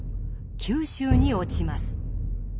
九州に落ちます。